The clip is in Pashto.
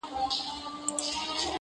له لمبو يې تر آسمانه تلل دودونه؛